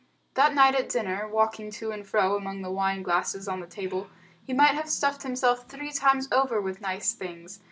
That night at dinner, walking to and fro among the wine glasses on the table, he might have stuffed himself three times over with nice things.